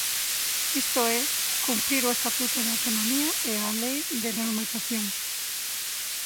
Isto é, cumprir o Estatuto de Autonomía e a Lei de Normalización.